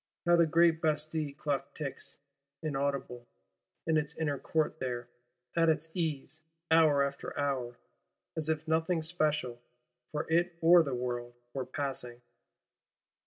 How the great Bastille Clock ticks [inaudible] in its Inner Court there, at its ease, hour after hour; as if nothing special, for it or the world, were passing!